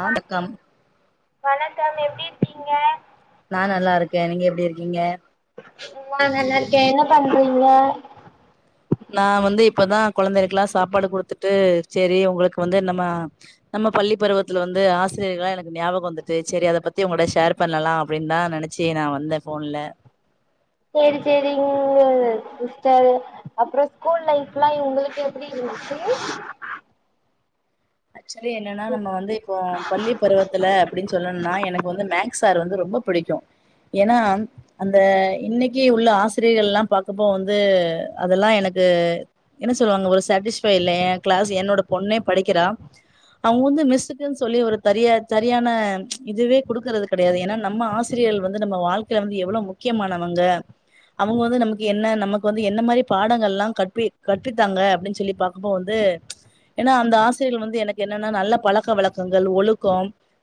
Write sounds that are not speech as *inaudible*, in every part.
ஆ தக்கம் மார்னிங் வணக்கம். எப்டி இருக்கீங்க? நா நல்லா இருக்கே. நீங்க எப்டி இருக்கீங்க. ஆமா நல்லா இருக்கே. என்ன பண்றீங்க? நா வந்து இப்பதா கொழந்தேளுக்லா சாப்பாடு குடுத்துட்டு சேரி ஒங்ளுக்கு வந்து நம்ம நம்ம பள்ளி பருவத்ல வந்து ஆசிரியர்கலா எனக்கு ஞாபக வந்துட்டு சேரி அத பத்தி உங்களட ஷேர் பண்ணலா அப்டின்தா நெனச்சி நா வந்த ஃபோன்ல சேரி சேரிங்க சிஸ்டர். அப்றோ ஸ்கூல் லைஃப்லா இவுங்குளுக்கு எப்டி இருந்துச்சு? ச்சுலி என்னன்னா நம்ம வந்து இப்போ பள்ளி பருவத்துல அப்டின் சொல்லணுனா, எனக்கு வந்து மேக்ஸ் சார் வந்து ரொம்ப புடிக்கு ஏன்னா அந்த இன்னைக்கு உள்ள ஆசிரியர்கள்ல்லாம் பாக்கப்போ வந்து அதெல்லாம் எனக்கு என்ன சொல்லுவாங்க ஒரு சட்டிஸ்ஃபை இல்ல என் கிளாஸ் என்னோட பொண்ணே படிக்கிறா அவுங்க வந்து மிஸ்ஸுக்குன் சொல்லி ஒரு தரிய சரியான இதுவே குடுக்கறது கெடயாது. ஏன்னா நம்ம ஆசிரியள் வந்து நம்ம வாழ்க்கைல வந்து எவ்ளோ முக்கியமானவங்க. அவுங்க வந்து நம்க்கு என்ன நமக்கு வந்து என்ன மாரி பாடங்கள்ல்லா கற்பி கற்பித்தாங்க, அப்டின் சொல்லி பாக்கும்போ வந்து ஏன்னா அந்த ஆசிரியள் வந்து எனக்கு என்னன்னா நல்ல பழக்க வழக்கங்கள் ஒழுக்கோ,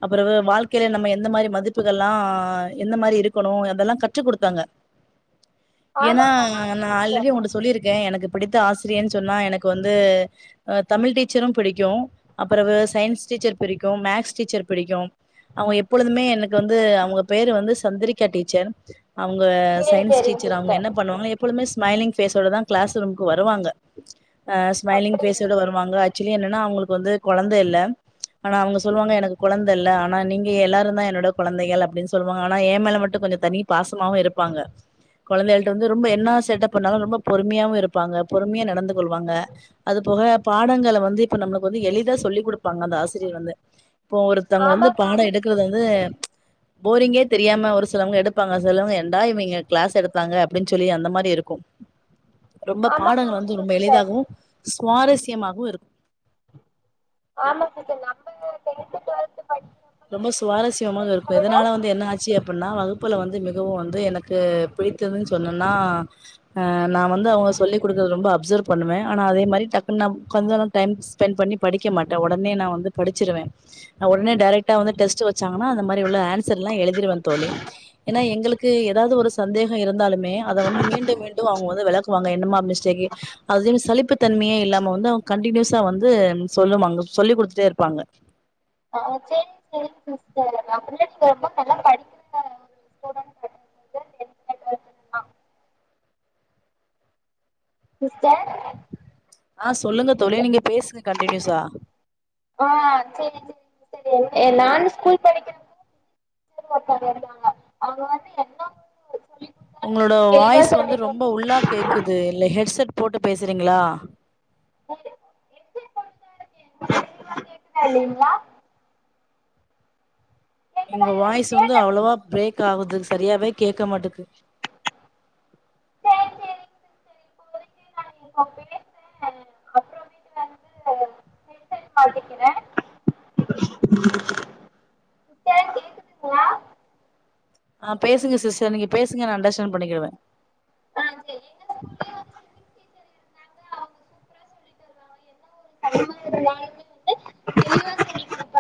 அப்றோவு வாழ்க்கைல நம்ம எந்த மாரி மதிப்புகள்ல்லா எந்த மாரி இருக்கணு. அதெல்லா கற்று குடுத்தாங்க. ஏன்னா ஆமாங்க ஆமாங்க நா சிஸ்டர் ஆல்ரெடி ஒன்ட்ட சொல்லிருக்க. எனக்கு பிடித்த ஆசிரியனு சொன்னா எனக்கு வந்து, அ தமிழ் டீச்சரு புடிக்கு அப்பறவு சயின்ஸ் டீச்சர் பிரிக்கு. மேக்ஸ் டீச்சர் பிடிக்கு. அவங்க எப்பொழுதுமே எனக்கு வந்து அவுங்க பேரு வந்து சந்திரிக்கா டீச்சர். அவுங்க சேரி சயின்ஸ் சேரிங்க டீச்சர். அவுங்க சிஸ்டர் என்ன பண்ணுவாங்கனா எப்பொழுமே ஸ்மைலிங் ஃபேஸ்சோட தான் கிளாஸ் ரூம்க்கு வருவாங்க ஆஹ் ஸ்மய்லிங் அப்டிங்களா ஃபேஸ்சோட வருவாங்க *unintelligible* என்னன்னா அவங்களுக்கு வந்து கொழந்தை இல் ஆனா அவுங்க சொல்லுவாங்க எனக்கு கொழந்தை இல்ல ஆனா நீங்க எல்லாரும் தான் என்னோட கொழந்தைகள் அப்பிடின்னு சொல்லுவாங்க ஆனா ஏ மேல மட்டும் கொஞ்சம் தனி பாசமுமா இருப்பாங்க கொழந்தைகள்டா வந்து என்ன சேட்டை பண்ணாலும் பொறுமையா இருப்பாங்க பொறுமையா நடந்து கொல்லவாங்க அது போக பாடங்களை வந்து இப்ப நம்மளுக்கு வந்து எழுதி தா சொல்லி குடுப் ப்பாங்க அந்த ஆசிரியர் வந்து இப்போ ஒருத்தங்க வந்து ஆமாங்க பாடம் எடுக்குறது வந்து போரிங்கே தெரியாம ஒரு சிலவங்க எடுப்பாங்க சிலவங்க என்டா இவன் இங்க கிளாஸ் எடுத்தாங்க அப்பிடின்னு சொல்லி அந்த மாரி இருக்கும் ரொம்ப பாடங்கள் ஆமாங்க சிஸ் ஆமாங்க ஆமாங்க வந்து ரொம்ப சிஸ்டர் எளிதாகவும் சுவாரஸ்யமாகவும் இருக்கும் ஆமா சிஸ்டர் நம்ம டென்த் டுவெல்த் படிக்கிறப்பல்லா ரொம்ப இருக்கிற சுவாரஸ்யமாக டீச்சர்ஸ இருக்கும் விட இதனால வந்து என்ன ஆச்சு அப்டின்னா வகுப்புல வந்து மிகவும் வந்து எனக்கு பிடித்ததுன்னு சொன்னேன்னா ஆஹ் நான் வந்து அவுங்க சொல்லிக் கொடுக்கிறத ரொம்ப அப் அப்சர்வ் பண்ணுவன் ஆனா அதே மாதிரி டக்குனு நான் கொஞ்சம் டைம் ஸ்பென்ட் பண்ணி படிக்க மாட்டன் உடனே நான் வந்து படிச்சிருவேன் உடனே டைரக்ட் ட்டா வந்து டெஸ்ட் வச் ச்சாங்கண்ணா அது மாரி உள்ள ஆன்சர் எல்லாம் எழுதிருவேன் தோழி ஏன்னா எங்களுக்கு ஏதாவது ஒரு சந்தேகம் இருந்தாலுமே அத வந்து மீண்டும் மீண்டும் அவுங்க வந்து விளக் குவாங்க என்னம்மா மிஸ் *unintelligible* அது சழிப்பு தன்மையே இல்லமா நம்ம வந்து அவங்க கண்டினியூஸா வந்து சொல்லுவாங்க சொல்லிக் குடுத்துட்டே இருப்பாங்க ஆ செரிங் செரிங் சிஸ்டர் *unintelligible* சிஸ்டர் ஆ சொல்லுங்க தோழி நீங்க பேசுங்க கண்டி நியூஸா நான் ஸ்கூல் படிக்கும்போது *unintelligible* ஒருத்தங்க இருந்தாங்க அவங்க வந்து என்ன குடுத்தாலு உங்களோட ரொம்ப தெளிவா வாய்ஸ் வந்து சொல்லி குடு ரொம்ப உள்ளா கேக்குது இல்ல ஹெட் செட் போட்டு பேசுறீங்களா ஹெட் செட் ஹெட் செட் போட்டு தா இருக்கே தெளிவா கேக்குதா இல்லீங்களா இங்க வாய்ஸ் வந்து கேட்ட அவ்ளோவா பிரேக் ஆவுது சரியாவே கேட்க மாட்டுக்கு செரி செரி சிஸ்டர் இப்போ வரைக்கோ நா இங்க பேசுற அப்புறமேட்டு வந்து ஹெட்செட் மாட்டிக்கிற சிஸ்டர் கேக்குதுங்களா ஆ பேசுங்க சிஸ்டர் நீங்க பேசுங்க நா அண்டர்ஸ்டாண்ட் பண்ணிக்கிடுவ ஆ சேரி எங்க ஸ்கூல்லயு *unintelligible* தெளிவா *unintelligible*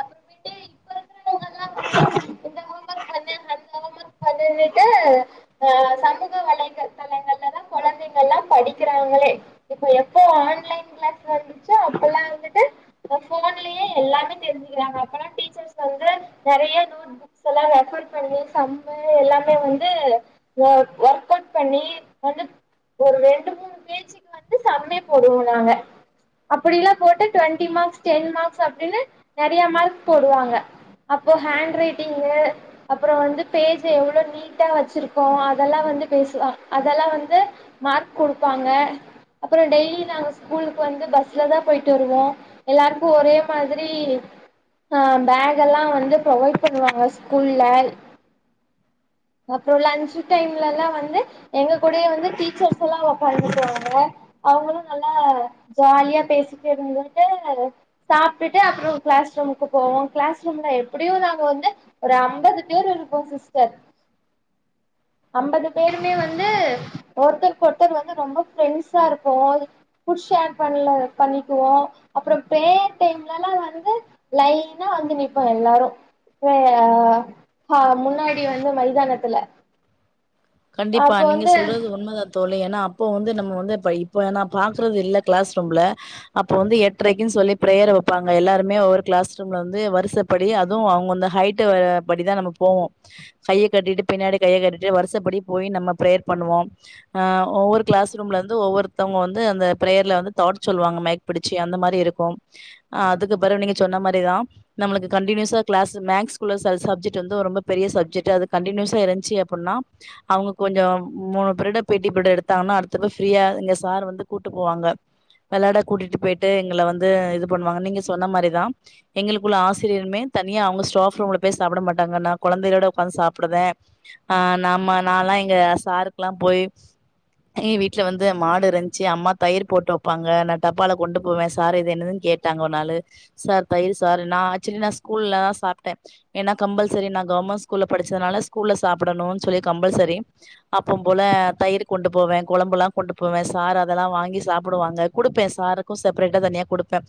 அப்புறமேட்டு இப்ப இருக்கிறவங்கல்லா வந்து இந்த ஹோம் ஒர்க் பண்ணு அந்த ஹோம் ஒர்க் பண்ணுன்னுட்டு ஆ சமூக வலைதளங்கள்லதா கொழந்தைங்கல்லா படிக்கிறாங்களே இப்ப எப்போ ஆன்லைன் கிளாஸ் வந்துச்சோ அப்பல்லா வந்துட்டு நாங்க அப்றோ டீச்சர்ஸ் வந்து நெறைய நோட்புக்ஸுலா வெ சம்மு எல்லா அவுட் பண்ணி வந்து ஒரு ரெண்டு மூணு பேஜுக்கு அப்பிடிலா போட்டு ட்வென்டி மார்க்ஸ் டென் மார்க்ஸ் அப்பிடின்னு நெறைய மார்க் போடுவாங்க அப்போ ஹேண்ட் ரைட்டிங்கு அப்புறோ வந்து பேஜ் எவ்வளோ நீட்டா வெச்சிருக்கோ அதெல்லா வந்து பேசுவா அதெல்லா வந்து மார்க் குடுப்பாங்க அப்புறோ டெய்லி நாங்க ஸ்கூலுக்கு வந்து பஸ் ல தா போயிட்டு வருவோ எல்லாருக்கும் ஒரே மாதிரி ஆ பேக் எல்லா வந்து ப்ரொவாய்ட் பண்ணுவாங்க ஸ்கூல்ல அப்பறோ லன்ச் டைம்லலா வந்து எங்க கூடயே வந்து டீச்சர்ஸ் எல்லா உக்காந்துக்குவாங்க அவங்களு நல்லா ஜாலியா பேசிட்டு இருந்துட்டு சாப்பிட்டுட்டு அப்புறோ கிளாஸ் ரூமுக்கு போவோ கிளாஸ் ரூம்ல எப்பிடியு நாங்க வந்து ஒரு அம்பது பேர் இருப்போ சிஸ்டர் அம்பது பேருமே வந்து ஒருத்தருக்கு ஒருத்தர் வந்து ரொம்பொ ஃபிரெண்ட்ஸா இருக்கவோ புஷ்ஷேர் பண்ணல பண்ணிக்குவோம் அப்புறொ பிரேயர் டைம்லலா வந்து லைனா வங்க நிப்போ எல்லாரு அஹ் ஹ முன்னாடி வந்து மைதான த்துல கண்டிப்பா நீங்க சொல்றது உண்மதா தோழி ஏனா அப் அப்போ வந்து நம்ம வந்து இப்ப இப்ப நா பாக்குறது இல்ல கிளாஸ் ரூம்ல அப்பொ வந்து எட்ரைக்குன்னு சொல்லி பிரேயர் வைப்பாங்க எல்லாருமே ஒவ்வொரு கிளாஸ் ரூம்ல இருந்து வரிசப்படி அதுவு அவங்க அந்த ஹைட் படிதா நம்ம போவோ கைய கட்டிட்டு பின்னாடி கைய கட்டிட்டு வரிசப்படி போய் நம்ம பிரேயர் பண்ணுவோ அஹ் ஒவ்வொரு கிளாஸ் ரூம்ல இருந்து ஒவ்வொருத்தவங்க வந்து அந்த பிரேயர்ல வந்து தாட் சொல்லுவாங்க மைக் பிடிச்சு அந்த மாரி இருக்கும் அ அதுக்கு பெறகு நீங்க சொன்ன மாதிரிதா நம்மளுக்கு கண்டினியுசா கிளாஸ் மெக்ஸ்குல ச சப்ஜெக்ட் வந்து ரொம்ப பெரிய சப்ஜெக்ட் அது கண்டியூஸா இருந்ச்சு அப்புனா அவுங்க கொஞ்சோ மூணு பிரிட் பி டி பிரிட் எடுத்தாங்கன்னா அடுத்தது ஃப்ரீயா இங்க சார் வந்து கூட்டு போவாங்க வெளாட கூட்டிட்டு போய்ட்டு எங்கள வந்து இது பண்ணுவாங்க நீங்க சொன்ன மாரிதா எங்களுக்குள்ள ஆசிரியருமே தனியா அவங்க ஸ்டோஃப் ரூம்ல போய் சாப்பிட மாட்டாங்க நா கொழந்தைகளோட உக்காந்து சாப்டுவே ஆஹ் நாம அன் நாலா எங்க சாருக்குலா போய் ஏ வீட்டுல வந்து மாடு இருந்ச்சு அம்மா தயிர் போட்டு வெப்பாங்க நா டப்பால கொண்டு போவே சார் இது என்னதுன்னு கேட்டாங்க ஒரு நாளு சார் தயிர் சாரு நா சின்ன ஸ்கூல்ல தா சாப்ட்டே ஏன்ன கம்பெல்ஸரி நா கவர்மெண்ட் ஸ்கூல்ல படிச்சதுனால ஸ்கூல்ல சாப்டணுன் சொல்லி கம்பல்சரி அப்போம் போல தயிர் கொண்டு போவே கொழம்புல்லா கொண்டு போவே சாரு அதெல்லா வாங்கி சாப்டுவாங்க குடுப்பே சாருக்கு செப்ரேட்டா தனியா குடுப்ப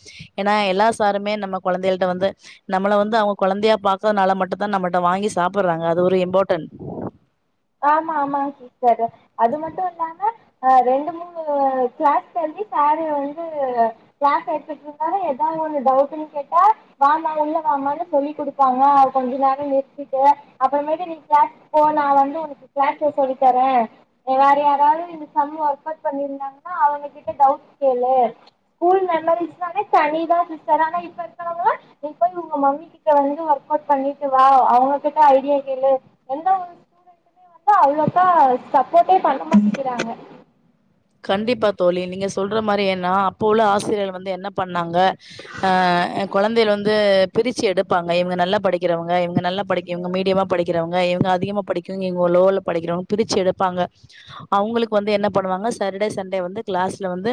ஏனா எல்லா சாருமே நம்ம கொழந்தைகள்ட வந்து நம்மள வந்து அவங்க கொழந்தையா பாக்கறனால மட்டுதா நம்மள்ட்ட வாங்கி சாப்புடுறாக அது ஒரு இம்பார்டன்ட் ஆமா ஆமாங்க சிஸ்டர் அது மட்டு இல்லாம ஆஹ் ரெண்டு மூணு கிளாஸ் தள்ளி சாரு வந்து கிளாஸ் எடுத்துட்டு இருந்தாரு ஏதாவது ஒன்னு டவுடுன்னு கேட்டா வாமா உள்ள வாமான்னு சொல்லி குடுப்பாங்க கொஞ்ச நேர நிறுத்திட்டு அப்புறமேட்டு நீ கிளாஸ் போ நா வந்து ஒகே கிளாஸ்ல சொல்லி தரே வேற யாரவது இந்த சம் வர்கவுட் பண்ணிர்ந்தாங்கனா அவங்ககிட்ட டவுட் கேளு ஸ்கூல் மெமரிஸ் நாளே தனி தா சிஸ்டர் ஆனா இப்ப இருக்கறவங்கலா நீ போய் உங்க மம்மி கிட்ட வந்து வர்கவுட் பண்ணிட்டு வா அவங்ககிட்ட ஐடியா கேளு எந்த ஒரு ஸ்டுடன்ட் மேமெ வந்து அவ்ளோக்கா சப்போட்டே பண்ண மாட்டேகிறாங்க கண்டிப்பா தோழி நீங்க சொல்ற மாறி ஏன்னா அப்போ உள்ள ஆசிரியர் வந்து என்ன பண்ணாங்க அ கொழந்தைகள வந்து பிரிச்சு எடுப்பாங்க இவங்க நல்லா படிக்கிறவங்க இவங்க நல்லா படிக்கு இவங்க மீடியமா படிக்கிறவங்க இவங்க அதிகமாக படிக்குங்க இவங்க லோல படிக்கிறவங்க பிரிச்சு எடுப்பாங்க அவங்களுக்கு வந்து என்ன பண்ணுவாங்க ச் சேட்டர்டே சண்டே வந்து கிளாஸ்ல வந்து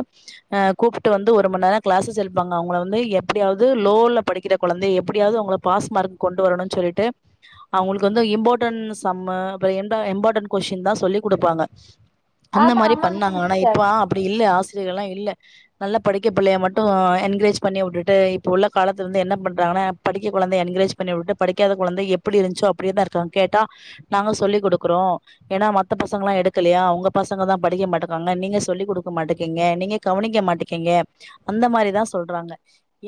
அஹ் கூப்ட்டு வந்து ஒரு மணி நேர கிளாஸ்ஸஸ் எடுப்பாங்க அவங்கள வந்து எப்டியாவது லோல படிக்கிற கொழந்தைய எப்டியாவது அவங்க பாஸ் மார்க் கொண்டு வரணுன் சொல்லிட்டு அவங்களுக்கு வந்து இம்போர்டண்ட் சம்மு அப்றோ எந்த இம்பார்டன்ட் கொஷின் தா சொல்லி் குடுப்பாங்க அந்த ஆமா மாரிப் ஆமாங்க பண்ணாங்க ஆனா இப்ப சிஸ்டர் அப்டி இல்ல ஆச் இதுங்கலா இல்ல நல்ல படிக்க பிள்ளைய மட்டு என்கரேஜ் பண்ணி விட்டுட்டு இப்ப உள்ள காலத்துல இருந்து என்ன பண்றாங்கன்னா படிக்க கெழந்தைய என்கரேஜ் பண்ணி விட்டு படிக்காத கொழந்த எப்டி இருந்ச்சோ அப்டியேதா இருக்காங்க கேட்டா நாங்க சொல்லிக் கொடுக்குறோ எனா மத்த பசங்கல்லா எடுக்கலையா உங்க பசங்க தா படிக்க மாட் ட்டுக்கோங்க நீங்க சொல்லி குடுக்க மாட்டிக்கிங்க நீங்க கவனிக்க மாட்டிங்கிங்க அந்த மாரிதா சொல்றாங்க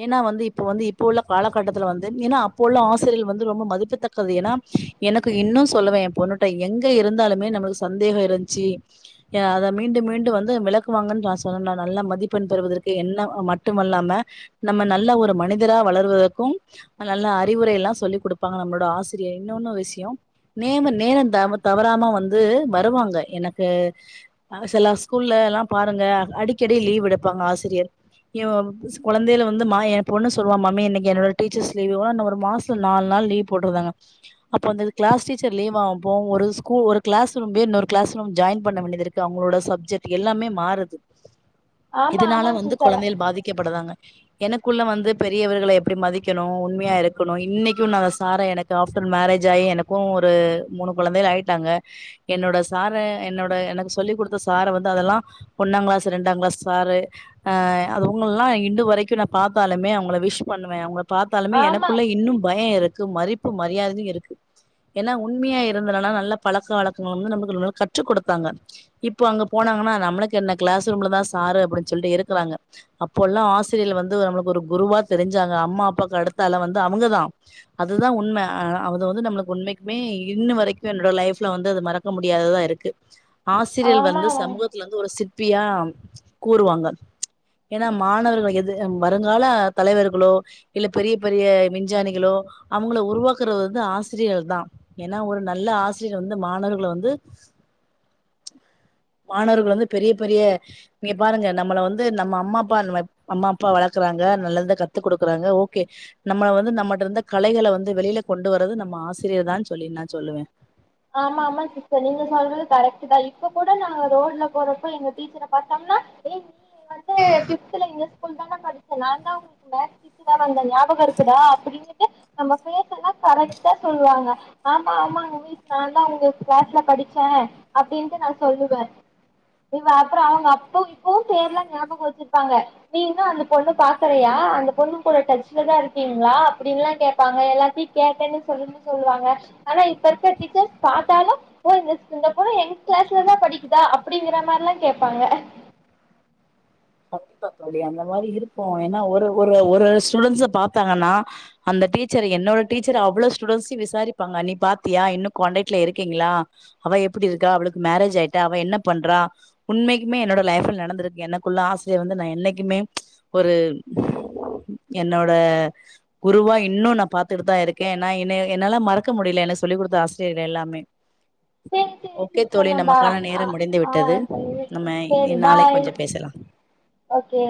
ஏன்னா வந்து இப்பொ வந்து இப்பொ உள்ள காலகட்டத்துல வந்து ஏன்ன அப்பொ உள்ள ஆசிரியர்கள் வந்து ரொம்ப மதிப்புத்தக்கது ஏனா எனக்கு இன்னு சொல்லுவெ எ பொண்ணுட எங்க இருந்தாலுமே நம்ளுக்கு சந்தேக இருந்ச்சு அ அத மீண்டு மீண்டு வந்து விளக்குவாங்கன்றா சொன்னனா நல்ல மதிப்பெண் பெறுவதற்கு என்ன மட்டுமல்லாம நம்ம நல்ல ஒரு மனிதரா வளருவதக்கு நல்ல அறிவுரைல்லா சொல்லி் குடுப்பாங்க நம்புளோட ஆசிரியர் இன்னொன்னு விஷ்யொ நேம நேரொ தம தவறாம வந்து வருவாங்க எனக்கு அ சில ஸ்கூல்ல எல்லா பாருங்க அடிக்கடி லீவ் எடுப்பாங்க ஆசிரியர் இவ் குழந்தையில வந்து மா என் பொண்ணு சொல்லுவா மம்மி இன்னைக்கு என்னோட டீச்சர்ஸ் லீவு ஒரு மாசொ நாலு நாள் லீவ் போடுகுதாங்க அப்போ அந்த கிளாஸ் டீச்சர் லீவாகும்போ ஒரு ஸூல் ஒரு கிளாஸ் ரூம் பேர் இன்னொரு கிளாஸ் ரூம் ஜாயின் பண்ண வேண்டியதுருக் டு அவங்களோட சப்ஜெக்ட் எல்லாமே மாறுது ஆமா இதுனால ஆமாங்க வந்து சிஸ்டர் கொழந்தைகள் பாதிக்கப்படுறாங்க எனக்குள்ள வந்து பெரியவர்கள எப்படி மதிக்கணு உண்மையா இருக்கணு இன்னைக்கு நா அந்த சார எனக்கு ஆஃப்டர் மேரேஜ் ஆயி எனக்கு ஒரு மூணு கொழந்தைகள் ஆயிட்டாங்க என்னோட சார என்னோட எனக்குச் சொல்லி குடுத்த சார வந்து அதெல்லா ஒண்ணாங்கிளாஸ் ரெண்டாங்கிளாஸ் சாரு ஆஹ் அது இவங்கல்லா இன்டுவரைக்கு நா பாத்தாலுமே அவுங்கள விஷ் பண்ணுவே அவுங்கப் பாத்தாலுமே ஆமா எனக்குள்ள இன்னு பய இருக் க்கு மதிப்பு மரியாதையு இருக்கு ஏனா உண்மையா இருந்தனால நல்ல பழக்க வழக்கங்கள் வந்து நமக்கு னு கற்றுக் கொடுத்தாங்க இப்போ அங்க போனாங்கன்னா நம்ளுக்கு என்ன கிளாஸ் ரூம்லதா சாரு அப்டின் சொல்லிட்டு இருக்கிறாங்க அப்போல்லா ஆசிரியர்கள் வந்து நம்மளுக்கு ஒரு குருவா தெரிஞ்சாங்க அம்மா அப்பாக்கு அடுத்தால வந்து அவங்கதா அதுதான் உண்ம ஆஹ் அது வந்து நம்மளுக்கு உண்மைக்குமே இன்னு வரைக்கு என்னோட லைஃப்ல வந்து அது மறக்க முடியாததா இருக்கு சீரியல் ஆமா வந்து ஆமாங்க சமூகத்துல வந்து ஒரு சித் ப்பியா கூறுவாங்க ஏன்னா மாணவர்கள் எது வருங்கால தலைவர்களோ இல்ல பெரிய பெரிய விஞ்சானிகளோ அவங்கள உருவாக்குறது வந்து ஆசிரியர்கள் தா ஏன்னா ஒரு நல்ல ஆசிரியர் வந்து மாணவர்கள வந்து மாணவர்கள் வந்து பெரிய பெரிய நீங்க பாருங்க நம்மள வந்து நம்ம அம்மா அப்பா வளக் அம்மா அப்பா வளக்குறாங்க நல்லத கத்து கொடுக்குறாங்க ஓகே நம்ம வந்து நம்மட்ட இருந்த கலைகள வந்து வெளியில கொண்டு வரது நம்ம ஆசிரியர் தா சொல்லி நா சொல்லுவே ஆமா ஆமா சிஸ்டர் நீங்க சொல்றது கரெக்ட் தா இப்ப கூட நாங்க ஒரு ரோட்ல போறப்போ எங்க டீச்சர பாத்தாங்க்னா ஏ நீ வந்து ஃபிஃப்த்துல எங்க ஸ்கூல் தானே படிச்ச நா தா உங்களுக்கு மேக்ஸ் டீச்சரா வந்தே ஞாபகம் இருக்குதா அப்டின்னுட்டு நம்ம பேசலா கரெக்டா சொல்லுவாங்க ஆமா ஆமாங்க வீ நாந்தா உங்க க்ளாஸ்ல படிச்ச அப்டின்ட்டு நா சொல்லுவே இவ அப்புறொ அவ்ங்க அப்ப இப்பவு பேர்லா ஞாபொகொ வெச்சிர்ப்பாங்க நீ இன்னு அந்த பொண்ணு பாக்கறயா அந்த பொண்ணுங் கூட டச்லதா இருக்கீங்ளா அப்புடின்லா கேப்பாங்க எல்லாத்தியு கேட்டன்னு சொல்லுன்னு சொல்வாங்க ஆனா இப்பர் ஸ டிச்சர்ஸ் பாத்தாலு ஓ இந் இந்த பொண்ணு எங்க கிளாஸ்ல தா படிக்குதா அப்டிங்கிற மாறில்லா கேப்பாங்க கத் தா தோழி அந்த மாரி இருப்பொ ஏனா ஒரு ஒரு ஒரு ஸ்டூடென்ஸ பாத்தாங்கன்னா அந்த டீச்சர் என்னோட டீச்சர் அவ்ளோ ஸ்டூட்ன்ஸையு விசாரிப்பாங்க நீ பாத்தியா இன்னு காண்டாக்ட்ல இருக்கீங்களா அவ எப்டி இருக்கா அவளுக்கு மேரேஜ் ஆயிட்டா அவ என்ன பண்றா உண்மைக்குமே என்னோட லைஃப்ல நடந்திருக்கு என்ன க்குள்ள ஆசிரியர் வந்து நா என்னைக்குமே ஒரு என்னோட குருவா இன்னு நா பாத்துட்டு தா இருக்கே ஏனா என்ன என்னால மறக்க முடில எனக்கு சொல்லிக் கொடுத்த ஆசிரியர்கள் எல்லாமே சேரி சேரி ஓகே தோழி சிஸ்டர் நம்ப நமக்கான ஆ நேரம் முடிந்து ஆ விட்டது சொல்லுங்க. நம்ம இ சேரி நாளைக் பாய் கொஞ்ச பேசலா ஓகே